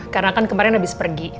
karena kan kemarin abis pergi